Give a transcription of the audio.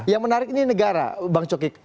yang menarik ini negara bang cokik